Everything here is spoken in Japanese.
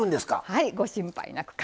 はいご心配なく。